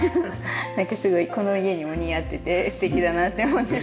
なんかすごいこの家にも似合ってて素敵だなって思ってます。